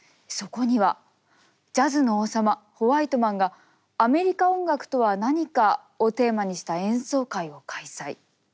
そこにはジャズの王様ホワイトマンが「アメリカ音楽とは何か」をテーマにした演奏会を開催。